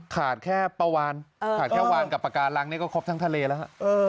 ขาดแค่ปลาวานขาดแค่วานกับปากการังนี่ก็ครบทั้งทะเลแล้วฮะ